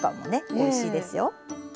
おいしいですよ。